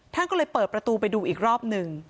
ท่านก็เลยเปิดประตูไปดูอีกรอบหนึ่ง